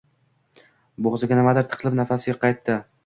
Bo‘g‘ziga nimadir tiqilib, nafasi qaytdi.